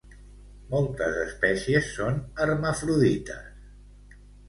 Moltes espècies són hermafrodites.